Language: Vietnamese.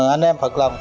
anh em phật lòng